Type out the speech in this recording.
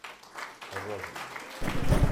Ṛez.